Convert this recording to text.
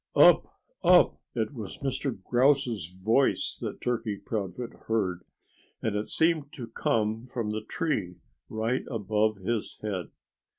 "Up! Up!" It was Mr. Grouse's voice that Turkey Proudfoot heard; and it seemed to come from the tree right above his head.